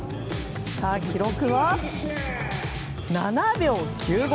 さあ、記録は７秒９５。